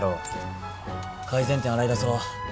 改善点洗い出そう。